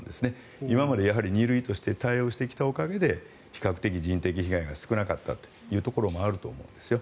これまで２類として対応してきたので人的被害が少なかったところもあると思うんですよ。